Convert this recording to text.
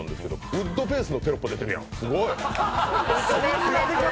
ウッドベースのテロップが出てるやん、すごい！